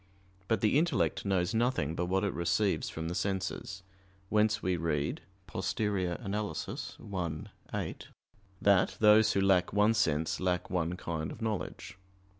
But the intellect knows nothing but what it receives from the senses; whence we read (Poster. i, 8), that "those who lack one sense lack one kind of knowledge."